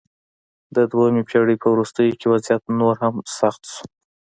د دویمې پېړۍ په وروستیو کې وضعیت نور هم سخت شو